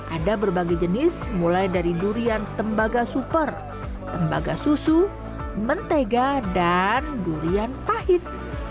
ada berbagai jenis mulai dari durian tembaga super tembaga susu mentega dan durian pahit